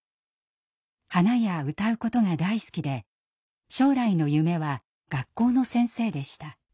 花や歌うことが大好きで将来の夢は学校の先生でした。